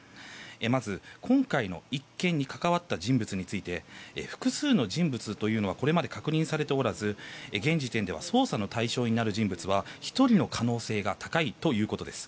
まず、今回の一件に関わった人物について複数の人物というのはこれまで確認されておらず現時点では捜査の対象になる人物は１人の可能性が高いということです。